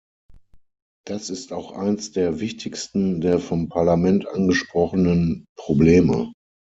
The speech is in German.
Das ist auch eins der wichtigsten der vom Parlament angesprochenen Probleme.